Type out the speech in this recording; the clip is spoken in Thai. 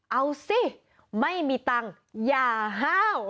เอาสิไม่มีตังค์อย่าห้าว